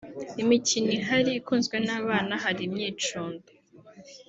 Imikino ihari ikunzwe n’abana hari imyicundo